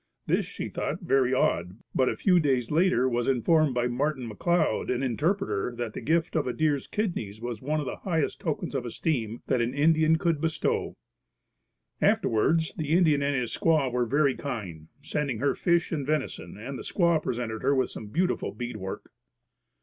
This she thought very odd but a few days later was informed by Martin McCloud, an interpreter, that the gift of a deer's kidneys was one of the highest tokens of esteem that an Indian could bestow. Afterwards the Indian and his squaw were very kind, sending her fish and venison and the squaw presented her with some beautiful bead work.